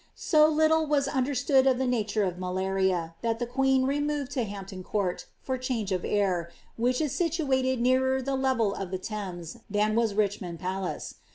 So little was understood of the nature of malaria, that the queen removed to Hampton Court, for change of air, which is situated nearer the level of the Thames than was Richmond Palace.